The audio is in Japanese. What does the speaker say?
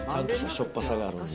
しょっぱさがあるんで。